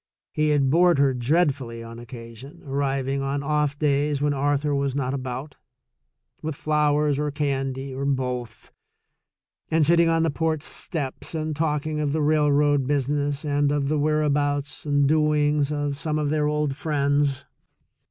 He had bored her dreadfully on occasion, arriving on off days when Arthur was not about, with flowers or candy, or both, and sitting on the porch steps and talking of the railroad business and of the whereabouts and doings of some of their old friends.